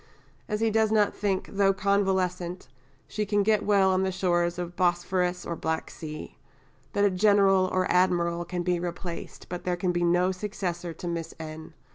as he does not think, though convalescent, she can get well on the shores of Bosphorus or Black Sea; that a General or Admiral can be replaced, but there can be no successor to Miss N.